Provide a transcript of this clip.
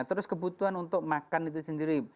terus kebutuhan untuk makan itu sendiri